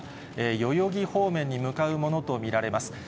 代々木方面に向かうものと見られます。